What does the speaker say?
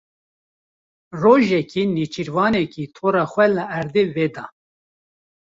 Rojekê nêçîrvanekî tora xwe li erdê veda.